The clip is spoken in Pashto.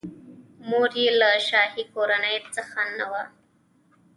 مور یې له شاهي کورنۍ څخه نه وه.